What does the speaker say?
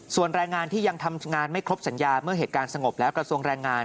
ส่วนแรงงานที่ยังทำงานไม่ครบสัญญาเมื่อเหตุการณ์สงบแล้วกระทรวงแรงงาน